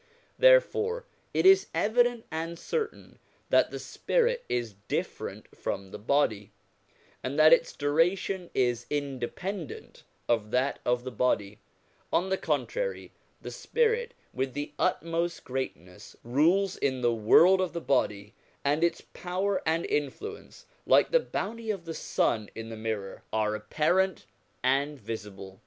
Therefore it is evident and certain that the spirit is different from the body, and that its duration is independent of that of the body; on the contrary, the spirit with the utmost greatness rules in the world of the body, and its power and influence, like the bounty of the sun in the mirror, are apparent and visible.